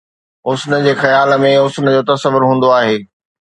حُسن جي خيال ۾ حسن جو تصور هوندو آهي